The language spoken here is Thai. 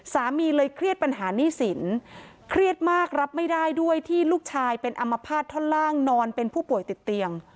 สามีเลยเครียดปัญหาหนี้สินเครียดมากรับไม่ได้ด้วยที่ลูกชายเป็นอัมพาตท่อนล่างนอนเป็นผู้ป่วยติดเตียง